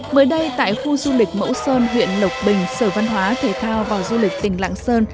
mới đây tại khu du lịch mẫu sơn huyện lộc bình sở văn hóa thể thao và du lịch tỉnh lạng sơn